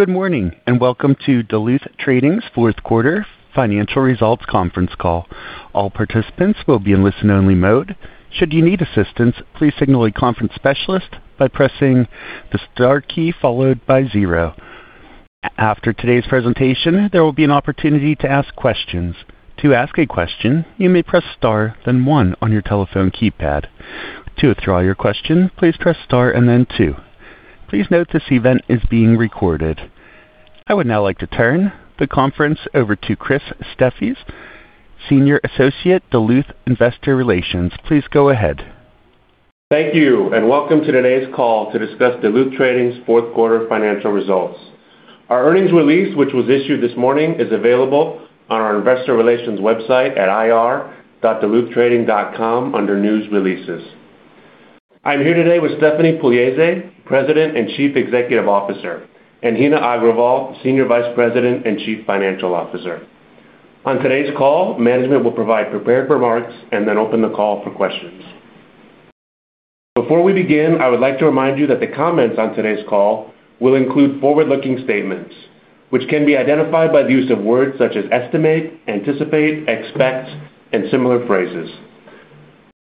Good morning, and welcome to Duluth Trading's fourth quarter financial results conference call. All participants will be in listen-only mode. Should you need assistance, please signal a conference specialist by pressing the star key followed by zero. After today's presentation, there will be an opportunity to ask questions. To ask a question, you may press star then one on your telephone keypad. To withdraw your question, please press star and then two. Please note this event is being recorded. I would now like to turn the conference over to Chris Steffes, Senior Associate, Duluth Investor Relations. Please go ahead. Thank you, and welcome to today's call to discuss Duluth Trading's fourth quarter financial results. Our earnings release, which was issued this morning, is available on our investor relations website at ir.duluthtrading.com under News Releases. I'm here today with Stephanie Pugliese, President and Chief Executive Officer, and Heena Agrawal, Senior Vice President and Chief Financial Officer. On today's call, management will provide prepared remarks and then open the call for questions. Before we begin, I would like to remind you that the comments on today's call will include forward-looking statements, which can be identified by the use of words such as estimate, anticipate, expect, and similar phrases.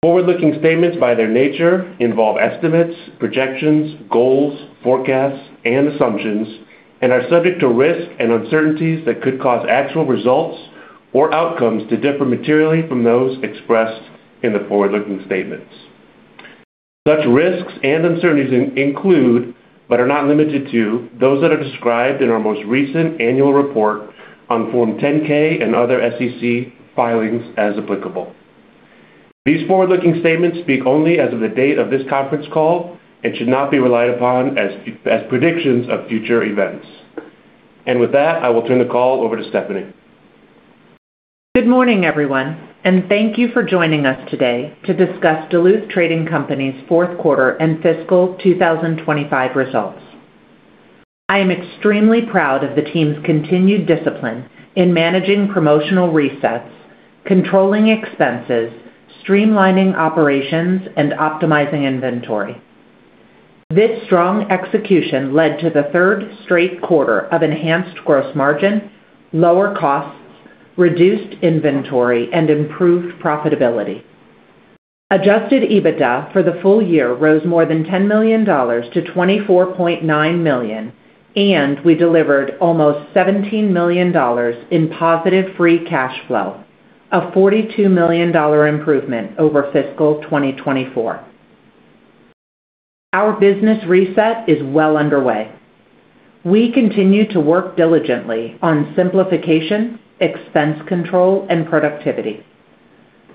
Forward-looking statements, by their nature, involve estimates, projections, goals, forecasts, and assumptions and are subject to risks and uncertainties that could cause actual results or outcomes to differ materially from those expressed in the forward-looking statements. Such risks and uncertainties include, but are not limited to, those that are described in our most recent annual report on Form 10-K and other SEC filings as applicable. These forward-looking statements speak only as of the date of this conference call and should not be relied upon as predictions of future events. With that, I will turn the call over to Stephanie. Good morning, everyone, and thank you for joining us today to discuss Duluth Trading Company's fourth quarter and fiscal 2020 results. I am extremely proud of the team's continued discipline in managing promotional resets, controlling expenses, streamlining operations, and optimizing inventory. This strong execution led to the third straight quarter of enhanced gross margin, lower costs, reduced inventory, and improved profitability. Adjusted EBITDA for the full year rose more than $10 million to $24.9 million, and we delivered almost $17 million in positive free cash flow, a $42 million improvement over fiscal 2024. Our business reset is well underway. We continue to work diligently on simplification, expense control, and productivity.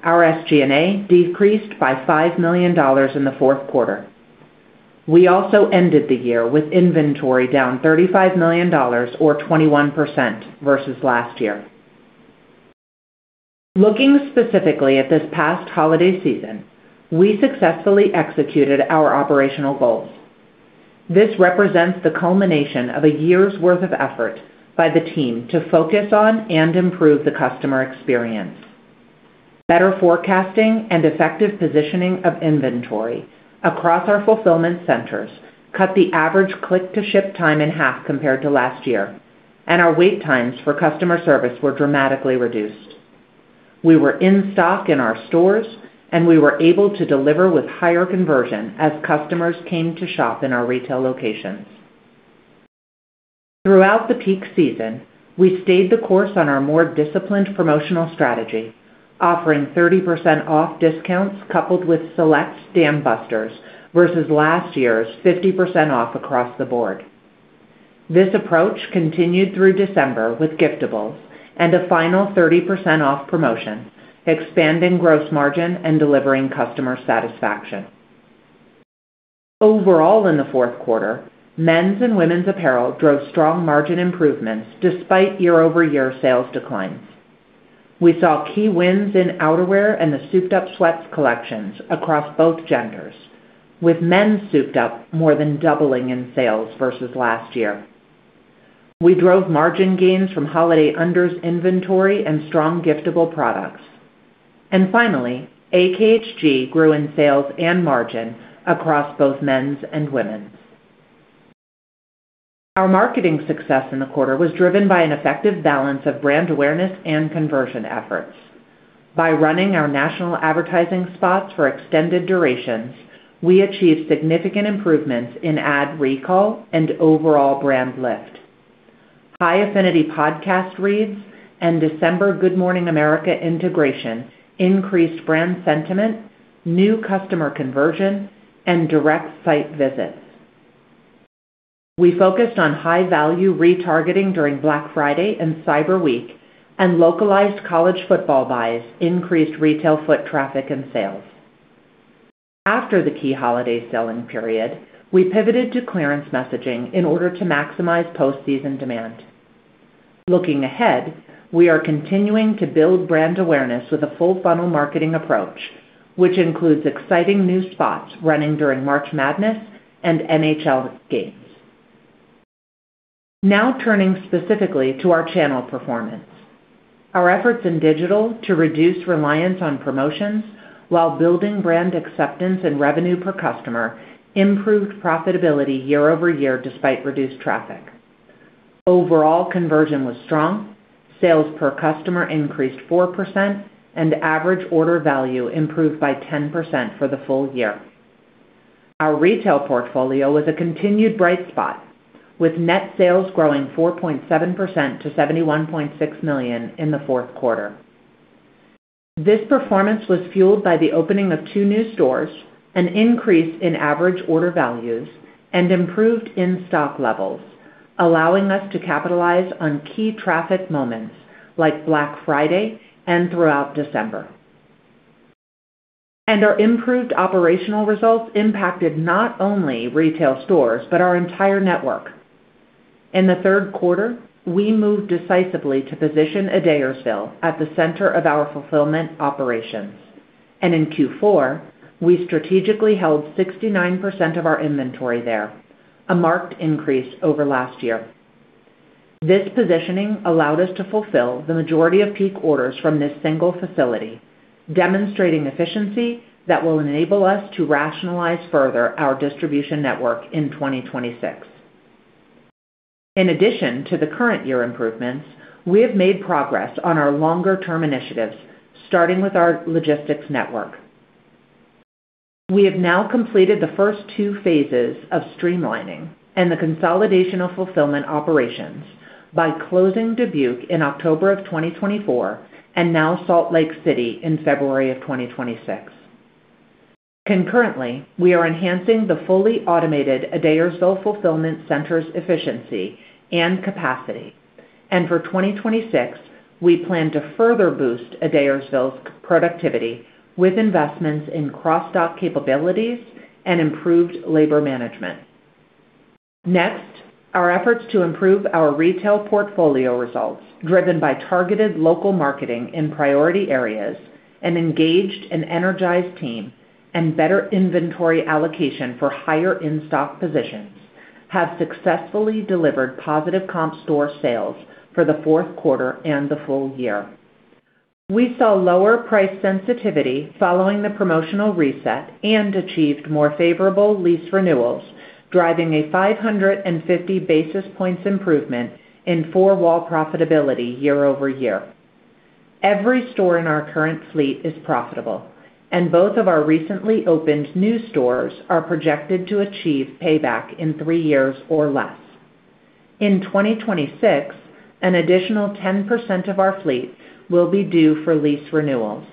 Our SG&A decreased by $5 million in the fourth quarter. We also ended the year with inventory down $35 million or 21% versus last year. Looking specifically at this past holiday season, we successfully executed our operational goals. This represents the culmination of a year's worth of effort by the team to focus on and improve the customer experience. Better forecasting and effective positioning of inventory across our fulfillment centers cut the average click-to-ship time in half compared to last year, and our wait times for customer service were dramatically reduced. We were in stock in our stores, and we were able to deliver with higher conversion as customers came to shop in our retail locations. Throughout the peak season, we stayed the course on our more disciplined promotional strategy, offering 30% off discounts coupled with select stump busters versus last year's 50% off across the board. This approach continued through December with giftables and a final 30% off promotion, expanding gross margin and delivering customer satisfaction. Overall, in the fourth quarter, men's and women's apparel drove strong margin improvements despite year-over-year sales declines. We saw key wins in outerwear and the Souped-Up Sweats collections across both genders, with Men's Souped-Up more than doubling in sales versus last year. We drove margin gains from holiday unders inventory and strong giftable products. Finally, AKHG grew in sales and margin across both men's and women's. Our marketing success in the quarter was driven by an effective balance of brand awareness and conversion efforts. By running our national advertising spots for extended durations, we achieved significant improvements in ad recall and overall brand lift. High Affinity podcast reads and December Good Morning America integration increased brand sentiment, new customer conversion, and direct site visits. We focused on high-value retargeting during Black Friday and Cyber Week, and localized college football buys increased retail foot traffic and sales. After the key holiday selling period, we pivoted to clearance messaging in order to maximize post-season demand. Looking ahead, we are continuing to build brand awareness with a full funnel marketing approach, which includes exciting new spots running during March Madness and NHL games. Now turning specifically to our channel performance. Our efforts in digital to reduce reliance on promotions while building brand acceptance and revenue per customer improved profitability year-over-year despite reduced traffic. Overall conversion was strong. Sales per customer increased 4% and average order value improved by 10% for the full year. Our retail portfolio was a continued bright spot, with net sales growing 4.7% to $71.6 million in the fourth quarter. This performance was fueled by the opening of 2 new stores, an increase in average order values, and improved in-stock levels, allowing us to capitalize on key traffic moments like Black Friday and throughout December. Our improved operational results impacted not only retail stores, but our entire network. In the third quarter, we moved decisively to position Adairsville at the center of our fulfillment operations. In Q4, we strategically held 69% of our inventory there, a marked increase over last year. This positioning allowed us to fulfill the majority of peak orders from this single facility, demonstrating efficiency that will enable us to rationalize further our distribution network in 2026. In addition to the current year improvements, we have made progress on our longer term initiatives, starting with our logistics network. We have now completed the first two phases of streamlining and the consolidation of fulfillment operations by closing Dubuque in October 2024 and now Salt Lake City in February 2026. Concurrently, we are enhancing the fully automated Adairsville fulfillment center's efficiency and capacity. For 2026, we plan to further boost Adairsville's productivity with investments in cross-dock capabilities and improved labor management. Next, our efforts to improve our retail portfolio results, driven by targeted local marketing in priority areas, an engaged and energized team, and better inventory allocation for higher in-stock positions, have successfully delivered positive comp store sales for the fourth quarter and the full year. We saw lower price sensitivity following the promotional reset and achieved more favorable lease renewals, driving a 550 basis points improvement in four-wall profitability year-over-year. Every store in our current fleet is profitable, and both of our recently opened new stores are projected to achieve payback in three years or less. In 2026, an additional 10% of our fleet will be due for lease renewals.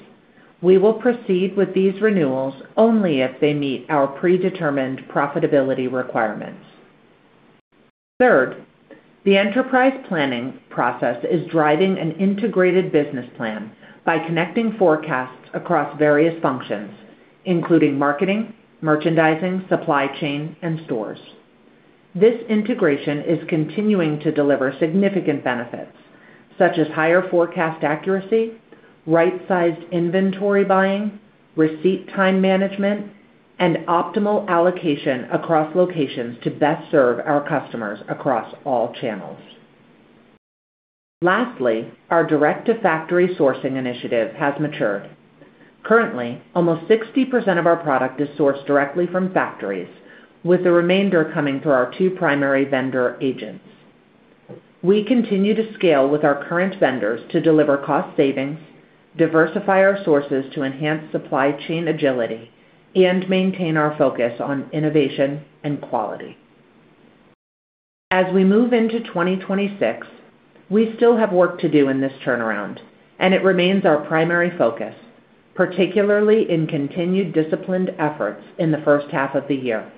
We will proceed with these renewals only if they meet our predetermined profitability requirements. Third, the enterprise planning process is driving an integrated business plan by connecting forecasts across various functions, including marketing, merchandising, supply chain, and stores. This integration is continuing to deliver significant benefits, such as higher forecast accuracy, right-sized inventory buying, receipt time management, and optimal allocation across locations to best serve our customers across all channels. Lastly, our direct-to-factory sourcing initiative has matured. Currently, almost 60% of our product is sourced directly from factories, with the remainder coming through our two primary vendor agents. We continue to scale with our current vendors to deliver cost savings, diversify our sources to enhance supply chain agility, and maintain our focus on innovation and quality. As we move into 2026, we still have work to do in this turnaround, and it remains our primary focus, particularly in continued disciplined efforts in the first half of the year.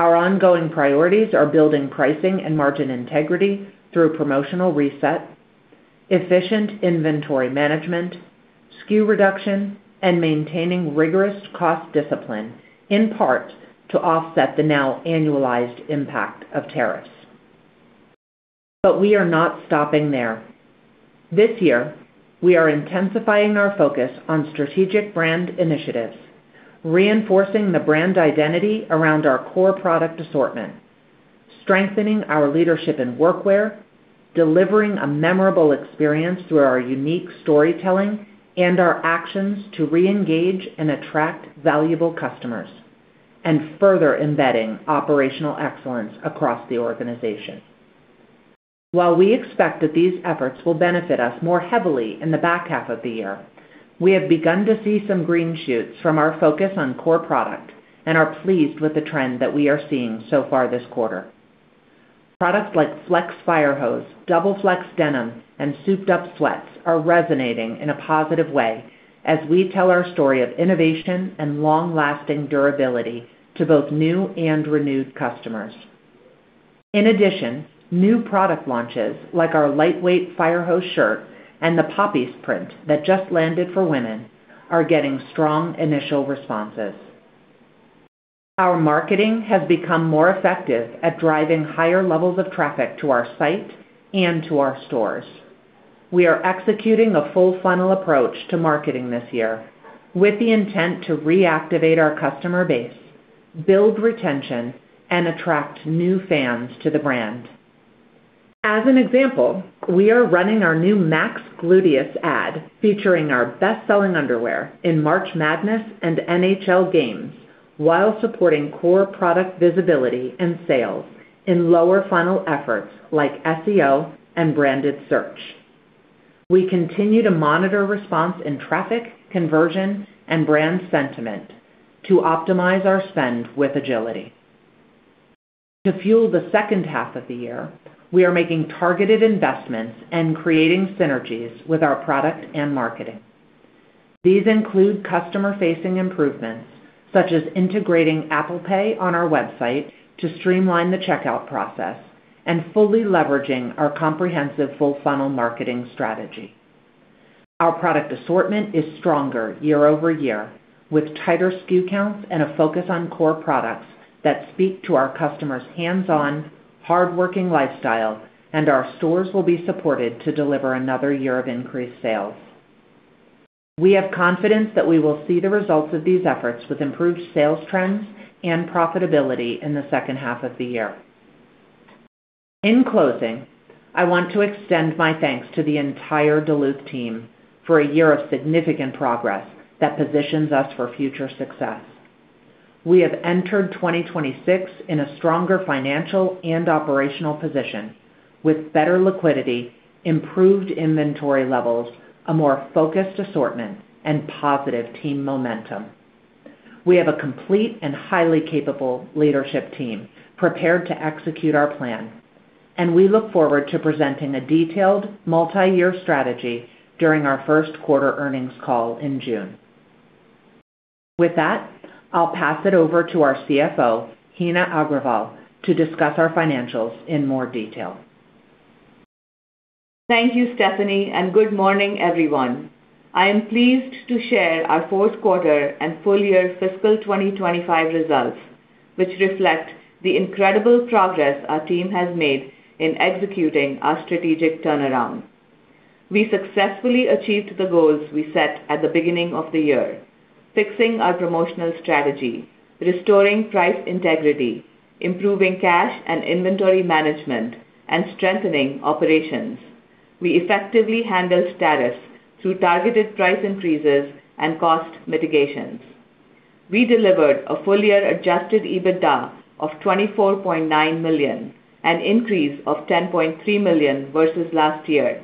Our ongoing priorities are building pricing and margin integrity through promotional reset, efficient inventory management, SKU reduction, and maintaining rigorous cost discipline, in part to offset the now annualized impact of tariffs. We are not stopping there. This year, we are intensifying our focus on strategic brand initiatives, reinforcing the brand identity around our core product assortment, strengthening our leadership in work wear, delivering a memorable experience through our unique storytelling and our actions to reengage and attract valuable customers, and further embedding operational excellence across the organization. While we expect that these efforts will benefit us more heavily in the back half of the year, we have begun to see some green shoots from our focus on core product and are pleased with the trend that we are seeing so far this quarter. Products like DuluthFlex Fire Hose, Double Flex Denim, and Souped-Up Sweats are resonating in a positive way as we tell our story of innovation and long-lasting durability to both new and renewed customers. In addition, new product launches, like our lightweight Fire Hose shirt and the NoGA Air that just landed for women, are getting strong initial responses. Our marketing has become more effective at driving higher levels of traffic to our site and to our stores. We are executing a full funnel approach to marketing this year with the intent to reactivate our customer base, build retention, and attract new fans to the brand. As an example, we are running our new Buck Naked ad featuring our best-selling underwear in March Madness and NHL games while supporting core product visibility and sales in lower funnel efforts like SEO and branded search. We continue to monitor response in traffic, conversion, and brand sentiment to optimize our spend with agility. To fuel the second half of the year, we are making targeted investments and creating synergies with our product and marketing. These include customer-facing improvements such as integrating Apple Pay on our website to streamline the checkout process and fully leveraging our comprehensive full-funnel marketing strategy. Our product assortment is stronger year-over-year with tighter SKU counts and a focus on core products that speak to our customers' hands-on, hardworking lifestyle, and our stores will be supported to deliver another year of increased sales. We have confidence that we will see the results of these efforts with improved sales trends and profitability in the second half of the year. In closing, I want to extend my thanks to the entire Duluth team for a year of significant progress that positions us for future success. We have entered 2026 in a stronger financial and operational position with better liquidity, improved inventory levels, a more focused assortment, and positive team momentum. We have a complete and highly capable leadership team prepared to execute our plan, and we look forward to presenting a detailed multi-year strategy during our first quarter earnings call in June. With that, I'll pass it over to our CFO, Heena Agrawal, to discuss our financials in more detail. Thank you, Stephanie, and good morning, everyone. I am pleased to share our fourth quarter and full year fiscal 2025 results, which reflect the incredible progress our team has made in executing our strategic turnaround. We successfully achieved the goals we set at the beginning of the year, fixing our promotional strategy, restoring price integrity, improving cash and inventory management, and strengthening operations. We effectively handled stress through targeted price increases and cost mitigations. We delivered a full year adjusted EBITDA of $24.9 million, an increase of $10.3 million versus last year.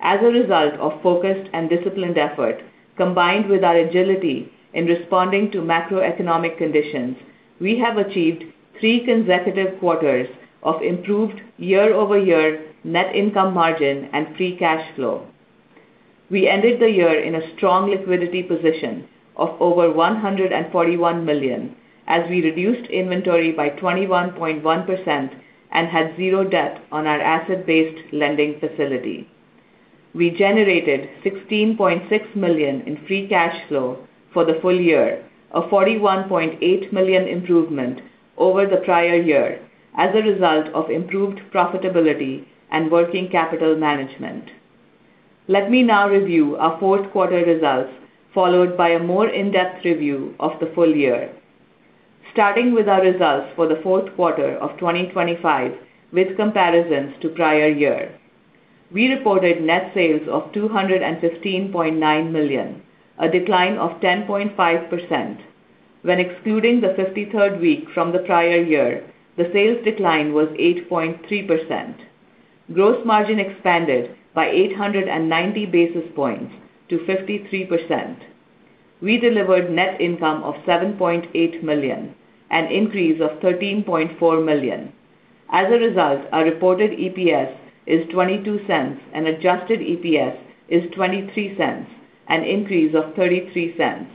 As a result of focused and disciplined effort, combined with our agility in responding to macroeconomic conditions, we have achieved three consecutive quarters of improved year-over-year net income margin and free cash flow. We ended the year in a strong liquidity position of over $141 million as we reduced inventory by 21.1% and had zero debt on our asset-based lending facility. We generated $16.6 million in free cash flow for the full year, a $41.8 million improvement over the prior year as a result of improved profitability and working capital management. Let me now review our fourth quarter results, followed by a more in-depth review of the full year. Starting with our results for the fourth quarter of 2025 with comparisons to prior year. We reported net sales of $215.9 million, a decline of 10.5%. When excluding the 53rd week from the prior year, the sales decline was 8.3%. Gross margin expanded by 890 basis points to 53%. We delivered net income of $7.8 million, an increase of $13.4 million. As a result, our reported EPS is $0.22, and adjusted EPS is $0.23, an increase of $0.33.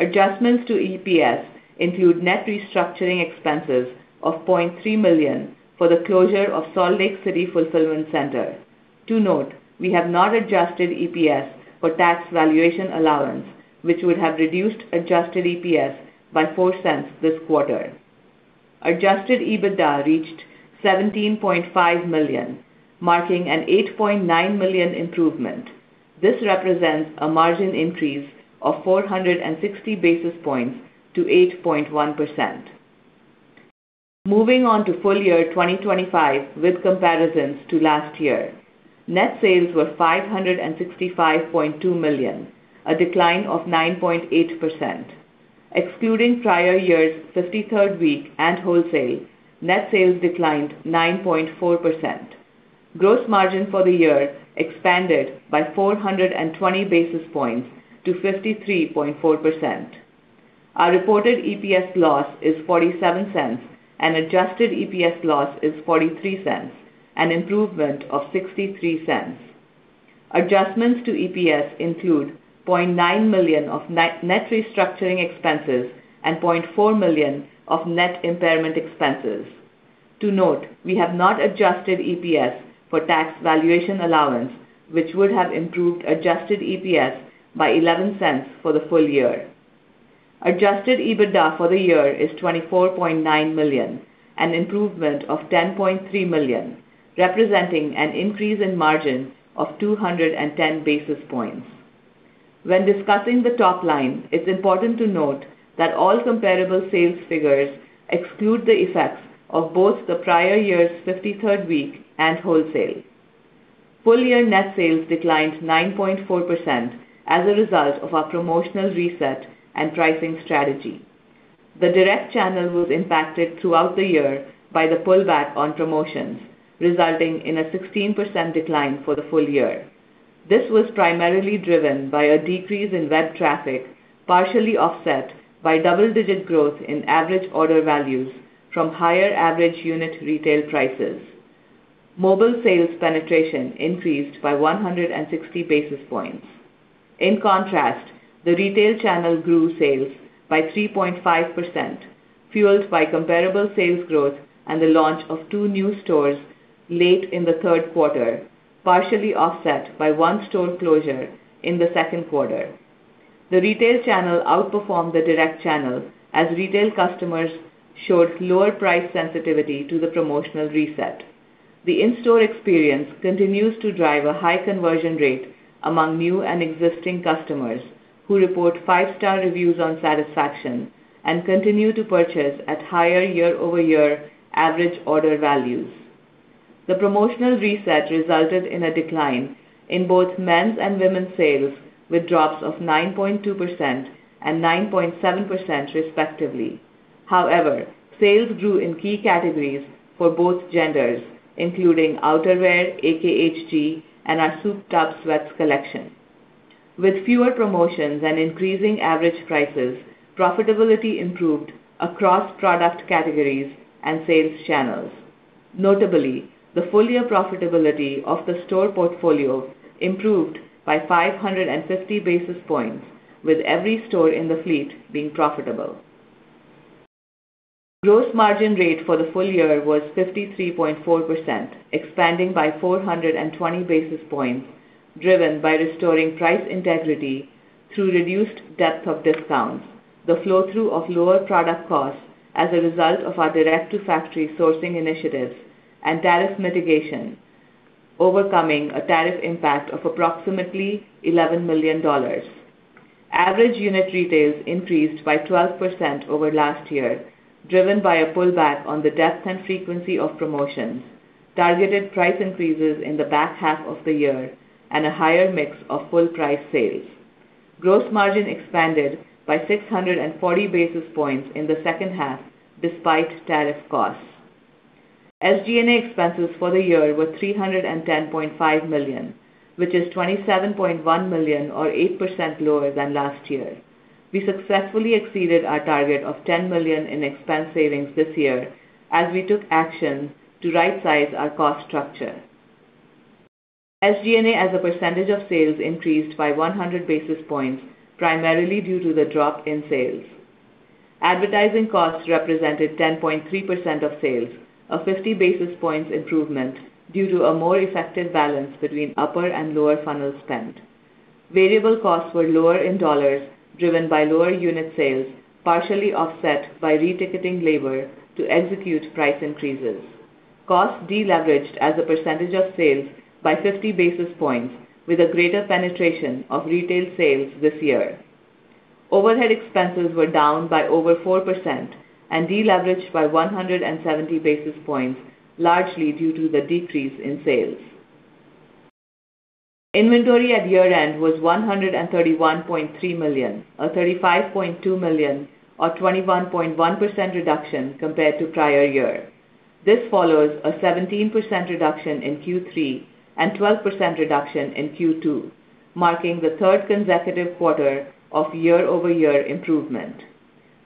Adjustments to EPS include net restructuring expenses of $0.3 million for the closure of Salt Lake City fulfillment center. To note, we have not adjusted EPS for tax valuation allowance, which would have reduced adjusted EPS by $0.04 this quarter. Adjusted EBITDA reached $17.5 million, marking an $8.9 million improvement. This represents a margin increase of 460 basis points to 8.1%. Moving on to full year 2025 with comparisons to last year. Net sales were $565.2 million, a decline of 9.8%. Excluding prior year's fifty-third week and wholesale, net sales declined 9.4%. Gross margin for the year expanded by 420 basis points to 53.4%. Our reported EPS loss is $0.47, and adjusted EPS loss is $0.43, an improvement of $0.63. Adjustments to EPS include $0.9 million of net restructuring expenses and $0.4 million of net impairment expenses. To note, we have not adjusted EPS for tax valuation allowance, which would have improved adjusted EPS by $0.11 for the full year. Adjusted EBITDA for the year is $24.9 million, an improvement of $10.3 million, representing an increase in margin of 210 basis points. When discussing the top line, it's important to note that all comparable sales figures exclude the effects of both the prior year's 53rd week and wholesale. Full-year net sales declined 9.4% as a result of our promotional reset and pricing strategy. The direct channel was impacted throughout the year by the pullback on promotions, resulting in a 16% decline for the full year. This was primarily driven by a decrease in web traffic, partially offset by double-digit growth in average order values from higher average unit retail prices. Mobile sales penetration increased by 160 basis points. In contrast, the retail channel grew sales by 3.5%, fueled by comparable sales growth and the launch of two new stores late in the third quarter, partially offset by one store closure in the second quarter. The retail channel outperformed the direct channel as retail customers showed lower price sensitivity to the promotional reset. The in-store experience continues to drive a high conversion rate among new and existing customers, who report five-star reviews on satisfaction and continue to purchase at higher year-over-year average order values. The promotional reset resulted in a decline in both men's and women's sales, with drops of 9.2% and 9.7%, respectively. However, sales grew in key categories for both genders, including outerwear, AKHG, and our Souped-Up Sweats collection. With fewer promotions and increasing average prices, profitability improved across product categories and sales channels. Notably, the full-year profitability of the store portfolio improved by 550 basis points, with every store in the fleet being profitable. Gross margin rate for the full year was 53.4%, expanding by 420 basis points, driven by restoring price integrity through reduced depth of discounts, the flow-through of lower product costs as a result of our direct-to-factory sourcing initiatives and tariff mitigation, overcoming a tariff impact of approximately $11 million. Average unit retails increased by 12% over last year, driven by a pullback on the depth and frequency of promotions, targeted price increases in the back half of the year, and a higher mix of full price sales. Gross margin expanded by 640 basis points in the second half despite tariff costs. SG&A expenses for the year were $310.5 million, which is $27.1 million or 8% lower than last year. We successfully exceeded our target of $10 million in expense savings this year as we took actions to rightsize our cost structure. SG&A, as a percentage of sales, increased by 100 basis points, primarily due to the drop in sales. Advertising costs represented 10.3% of sales, a 50 basis points improvement due to a more effective balance between upper and lower funnel spend. Variable costs were lower in dollars, driven by lower unit sales, partially offset by reticketing labor to execute price increases. Costs deleveraged as a percentage of sales by 50 basis points with a greater penetration of retail sales this year. Overhead expenses were down by over 4% and deleveraged by 170 basis points, largely due to the decrease in sales. Inventory at year-end was $131.3 million, a $35.2 million or 21.1% reduction compared to prior year. This follows a 17% reduction in Q3 and 12% reduction in Q2, marking the third consecutive quarter of year-over-year improvement.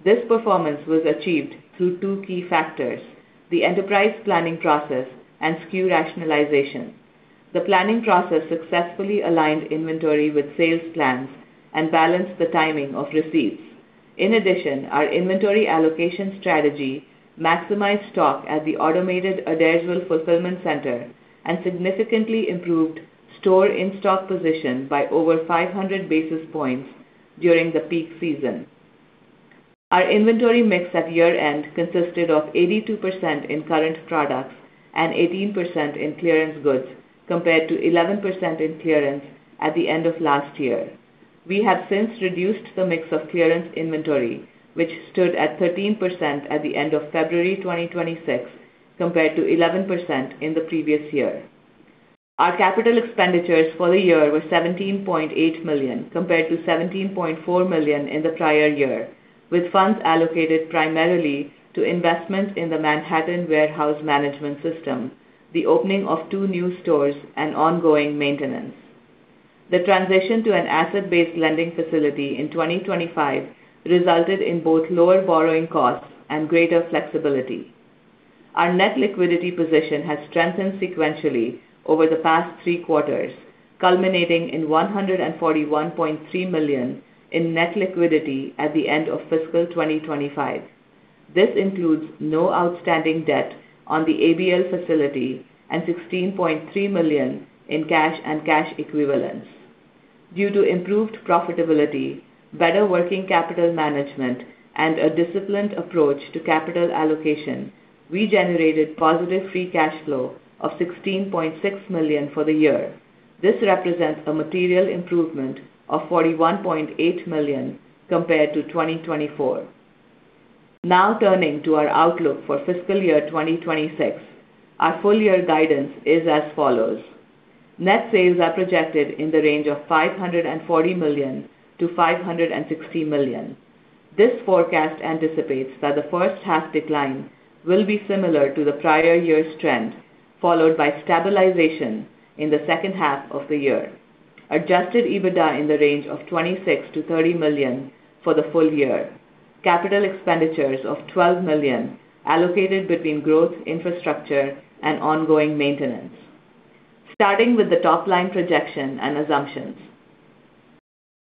This performance was achieved through two key factors, the enterprise planning process and SKU rationalization. The planning process successfully aligned inventory with sales plans and balanced the timing of receipts. In addition, our inventory allocation strategy maximized stock at the automated Adairsville fulfillment center and significantly improved store in-stock position by over 500 basis points during the peak season. Our inventory mix at year-end consisted of 82% in current products and 18% in clearance goods, compared to 11% in clearance at the end of last year. We have since reduced the mix of clearance inventory, which stood at 13% at the end of February 2026, compared to 11% in the previous year. Our capital expenditures for the year were $17.8 million, compared to $17.4 million in the prior year, with funds allocated primarily to investments in the Manhattan Active Warehouse Management, the opening of two new stores, and ongoing maintenance. The transition to an asset-based lending facility in 2025 resulted in both lower borrowing costs and greater flexibility. Our net liquidity position has strengthened sequentially over the past three quarters, culminating in $141.3 million in net liquidity at the end of fiscal 2025. This includes no outstanding debt on the ABL facility and $16.3 million in cash and cash equivalents. Due to improved profitability, better working capital management, and a disciplined approach to capital allocation, we generated positive free cash flow of $16.6 million for the year. This represents a material improvement of $41.8 million compared to 2024. Now turning to our outlook for fiscal year 2026. Our full year guidance is as follows. Net sales are projected in the range of $540 million-$560 million. This forecast anticipates that the first half decline will be similar to the prior year's trend, followed by stabilization in the second half of the year. Adjusted EBITDA in the range of $26 million-$30 million for the full year. Capital expenditures of $12 million allocated between growth, infrastructure, and ongoing maintenance. Starting with the top-line projection and assumptions.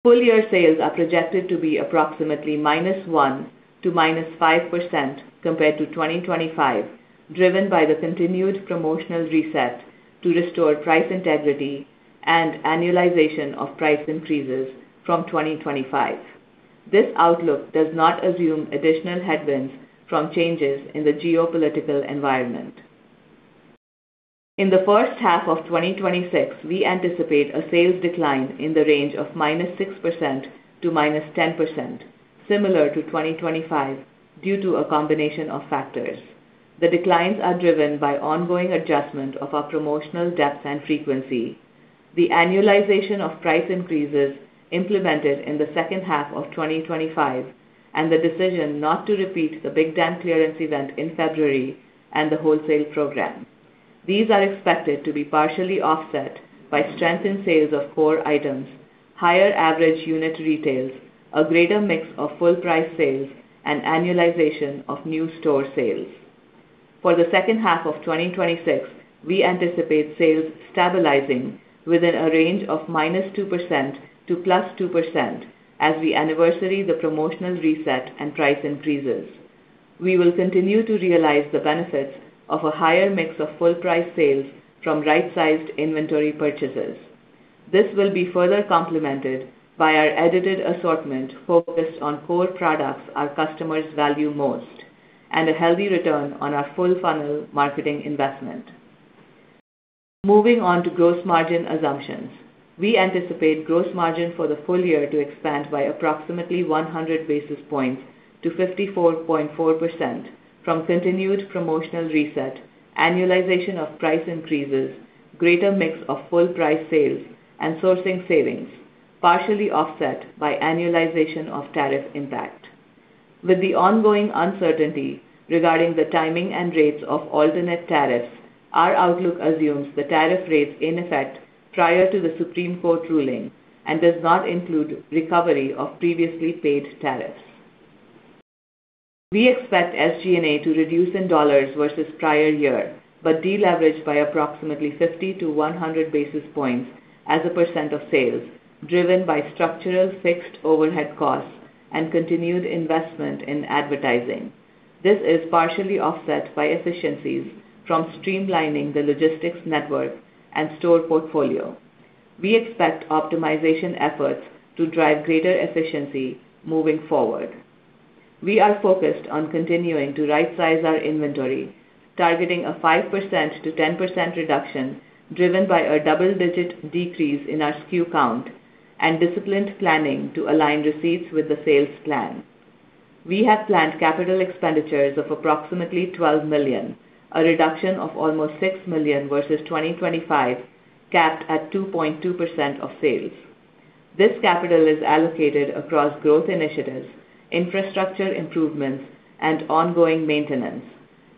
Full-year sales are projected to be approximately -1% to -5% compared to 2025, driven by the continued promotional resets to restore price integrity and annualization of price increases from 2025. This outlook does not assume additional headwinds from changes in the geopolitical environment. In the first half of 2026, we anticipate a sales decline in the range of -6% to -10%, similar to 2025, due to a combination of factors. The declines are driven by ongoing adjustment of our promotional depth and frequency, the annualization of price increases implemented in the second half of 2025, and the decision not to repeat the Big Dam clearance event in February and the wholesale program. These are expected to be partially offset by strength in sales of core items, higher average unit retails, a greater mix of full price sales, and annualization of new store sales. For the second half of 2026, we anticipate sales stabilizing within a range of -2% to +2% as we anniversary the promotional reset and price increases. We will continue to realize the benefits of a higher mix of full price sales from right-sized inventory purchases. This will be further complemented by our edited assortment focused on core products our customers value most and a healthy return on our full funnel marketing investment. Moving on to gross margin assumptions. We anticipate gross margin for the full year to expand by approximately 100 basis points to 54.4% from continued promotional reset, annualization of price increases, greater mix of full price sales, and sourcing savings, partially offset by annualization of tariff impact. With the ongoing uncertainty regarding the timing and rates of alternate tariffs, our outlook assumes the tariff rates in effect prior to the Supreme Court ruling and does not include recovery of previously paid tariffs. We expect SG&A to reduce in dollars versus prior year, but deleverage by approximately 50-100 basis points as a percent of sales, driven by structural fixed overhead costs and continued investment in advertising. This is partially offset by efficiencies from streamlining the logistics network and store portfolio. We expect optimization efforts to drive greater efficiency moving forward. We are focused on continuing to right-size our inventory, targeting a 5%-10% reduction driven by a double-digit decrease in our SKU count and disciplined planning to align receipts with the sales plan. We have planned capital expenditures of approximately $12 million, a reduction of almost $6 million versus 2025, capped at 2.2% of sales. This capital is allocated across growth initiatives, infrastructure improvements, and ongoing maintenance.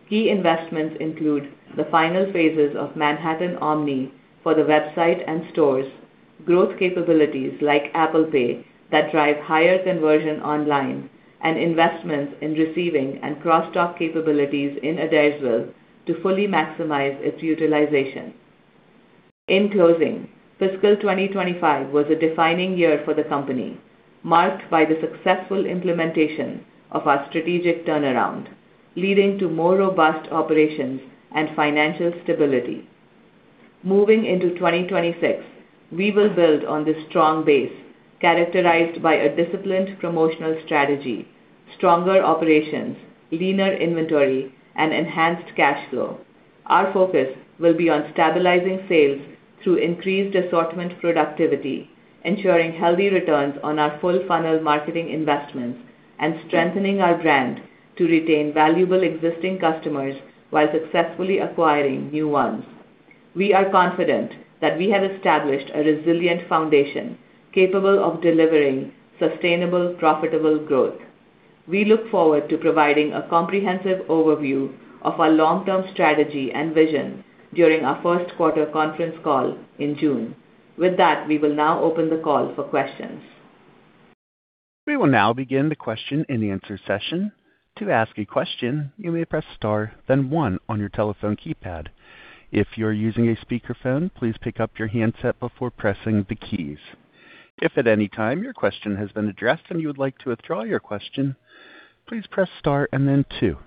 Key investments include the final phases of Manhattan Active Omni for the website and stores, growth capabilities like Apple Pay that drive higher conversion online, and investments in receiving and cross-dock capabilities in Adairsville to fully maximize its utilization. In closing, fiscal 2025 was a defining year for the company, marked by the successful implementation of our strategic turnaround, leading to more robust operations and financial stability. Moving into 2026, we will build on this strong base characterized by a disciplined promotional strategy, stronger operations, leaner inventory, and enhanced cash flow. Our focus will be on stabilizing sales through increased assortment productivity, ensuring healthy returns on our full funnel marketing investments, and strengthening our brand to retain valuable existing customers while successfully acquiring new ones. We are confident that we have established a resilient foundation capable of delivering sustainable, profitable growth. We look forward to providing a comprehensive overview of our long-term strategy and vision during our first quarter conference call in June. With that, we will now open the call for questions. We will now begin the question-and-answer session. To ask a question, you may press star, then one on your telephone keypad. If you're using a speakerphone, please pick up your handset before pressing the keys. If at any time your question has been addressed and you would like to withdraw your question, please press star and then two.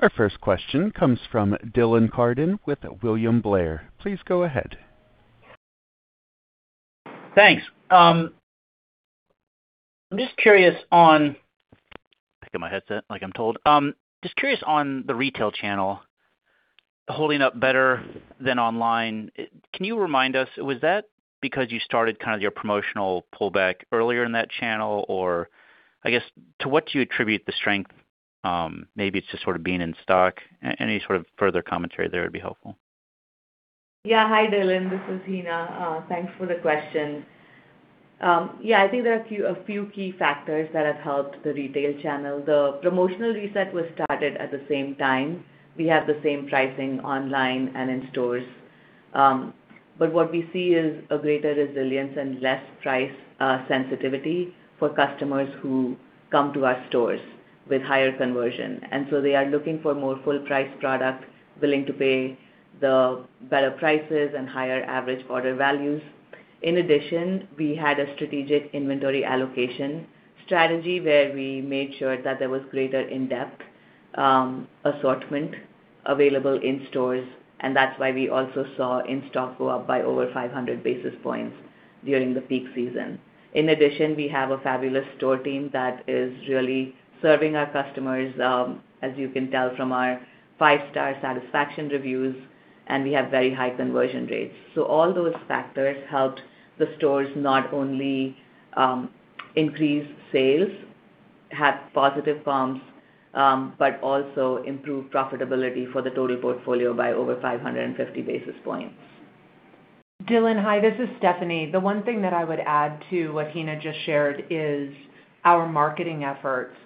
Our first question comes from Dylan Carden with William Blair. Please go ahead. Thanks. I'm just curious on the retail channel holding up better than online. Can you remind us, was that because you started kind of your promotional pullback earlier in that channel? Or, I guess, to what do you attribute the strength? Maybe it's just sort of being in stock. Any sort of further commentary there would be helpful. Yeah. Hi, Dylan. This is Heena. Thanks for the question. Yeah, I think there are a few key factors that have helped the retail channel. The promotional reset was started at the same time. We have the same pricing online and in stores. But what we see is a greater resilience and less price sensitivity for customers who come to our stores with higher conversion. They are looking for more full price products, willing to pay the better prices and higher average order values. In addition, we had a strategic inventory allocation strategy where we made sure that there was greater in-depth assortment available in stores, and that's why we also saw in-stock go up by over 500 basis points during the peak season. In addition, we have a fabulous store team that is really serving our customers, as you can tell from our five-star satisfaction reviews, and we have very high conversion rates. All those factors helped the stores not only increase sales, have positive bumps, but also improve profitability for the total portfolio by over 550 basis points. Dylan, hi, this is Stephanie. The one thing that I would add to what Heena just shared is our marketing efforts.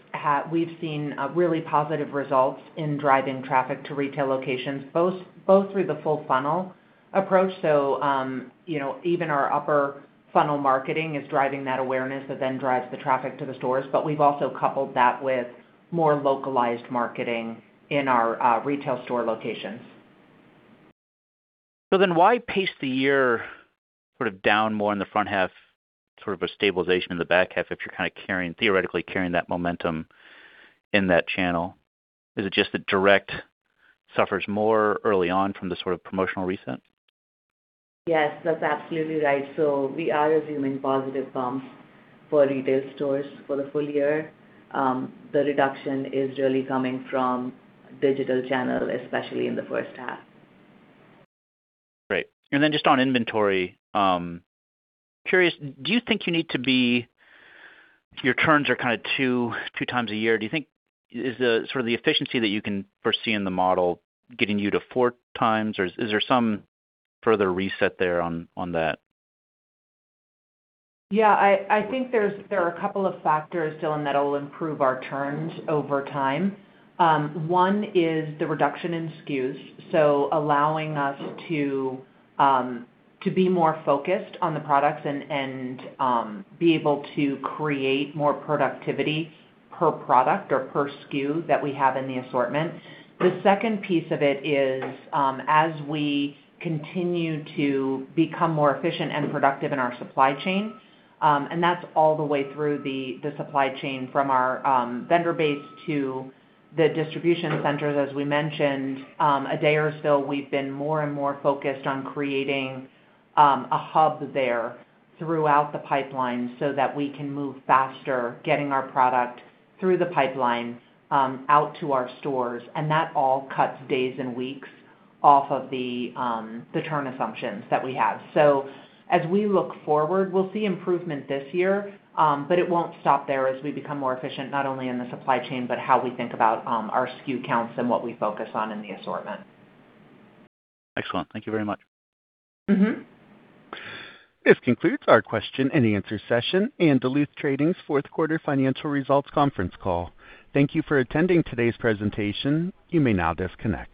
We've seen really positive results in driving traffic to retail locations, both through the full funnel approach. You know, even our upper funnel marketing is driving that awareness that then drives the traffic to the stores. We've also coupled that with more localized marketing in our retail store locations. Why pace the year sort of down more in the front half, sort of a stabilization in the back half if you're kind of carrying, theoretically carrying that momentum in that channel? Is it just that direct suffers more early on from the sort of promotional reset? Yes, that's absolutely right. We are assuming positive bumps for retail stores for the full year. The reduction is really coming from digital channel, especially in the first half. Great. Just on inventory, curious, do you think you need to be? Your turns are kinda two times a year. Do you think is the, sort of the efficiency that you can foresee in the model getting you to four times? Or is there some further reset there on that? Yeah, I think there are a couple of factors, Dylan, that'll improve our turns over time. One is the reduction in SKUs, so allowing us to be more focused on the products and be able to create more productivity per product or per SKU that we have in the assortment. The second piece of it is, as we continue to become more efficient and productive in our supply chain, and that's all the way through the supply chain from our vendor base to the distribution centers. As we mentioned a day or so, we've been more and more focused on creating a hub there throughout the pipeline so that we can move faster getting our product through the pipeline out to our stores. That all cuts days and weeks off of the turn assumptions that we have. As we look forward, we'll see improvement this year, but it won't stop there as we become more efficient not only in the supply chain, but how we think about our SKU counts and what we focus on in the assortment. Excellent. Thank you very much. Mm-hmm. This concludes our question and answer session and Duluth Trading's fourth quarter financial results conference call. Thank you for attending today's presentation. You may now disconnect.